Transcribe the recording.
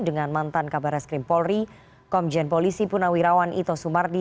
dengan mantan kabar reskrim polri komjen polisi punawirawan ito sumardi